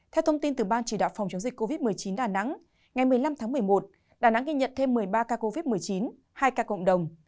theo thông tin từ ban chỉ đạo phòng chống dịch covid một mươi chín đà nẵng ngày một mươi năm tháng một mươi một đà nẵng ghi nhận thêm một mươi ba ca covid một mươi chín hai ca cộng đồng